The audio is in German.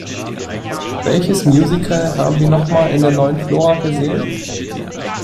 Welches Musical haben wir noch mal in der Neuen Flora gesehen?